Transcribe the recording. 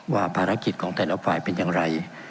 ว่าภารกิจของแต่ละฝ่ายเป็นอย่างไร